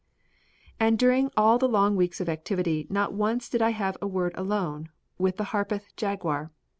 And during all the long weeks of activity not once did I have a word alone with the Harpeth Jaguar.